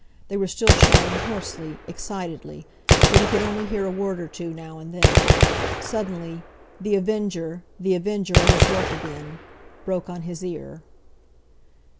They were still shouting hoarsely, excitedly, but he could only hear a word or two now and then. Suddenly "The Avenger! The Avenger at his work again!" broke on his ear.